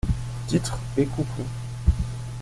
Titres et Coupons.